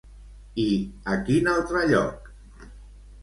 I a quin altre lloc?